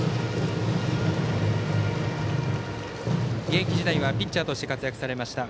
現役時代はピッチャーとして活躍されました